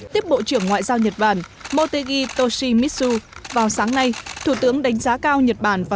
tiếp bộ trưởng ngoại giao nhật bản motegi toshimitsu vào sáng nay thủ tướng đánh giá cao nhật bản và